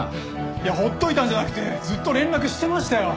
いやほっといたんじゃなくてずっと連絡してましたよ。